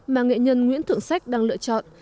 mà nghệ nhân nguyễn thượng sách đang lựa chọn